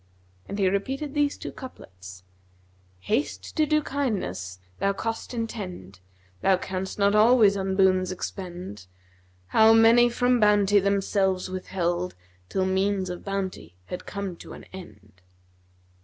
And he repeated these two couplets, 'Haste to do kindness thou cost intend; * Thou canst not always on boons expend: How many from bounty themselves withheld, * Till means of bounty had come to end!'"